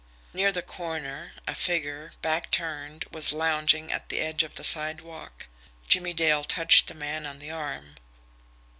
Near the corner, a figure, back turned, was lounging at the edge of the sidewalk. Jimmie Dale touched the man on the arm.